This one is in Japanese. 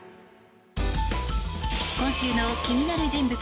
今週の気になる人物